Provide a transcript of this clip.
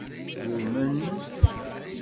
Urmen.